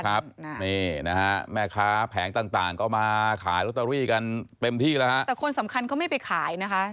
ครับนี่นะฮะแม่ค้าแผงต่างต่างก็มาขายลอตเตอรี่กันเต็มที่แล้วฮะแต่คนสำคัญเขาไม่ไปขายนะคะ